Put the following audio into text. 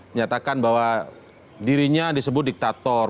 menyatakan bahwa dirinya disebut diktator